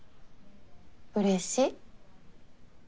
うれしい。